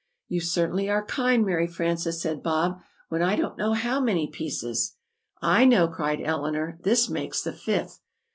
"You certainly are kind, Mary Frances," said Bob, "when I don't know how many pieces " "I know," cried Eleanor, "this makes the fifth!"